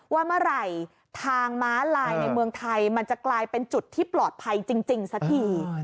ว่าเมื่อไหร่ทางม้าลายในเมืองไทยมันจะกลายเป็นจุดที่ปลอดภัยจริงสักที